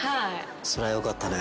そりゃよかったね。